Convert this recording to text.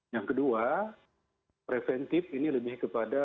yang kedua preventif ini lebih kepada